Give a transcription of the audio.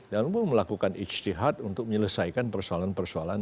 dan melakukan istihad untuk menyelesaikan persoalan persoalan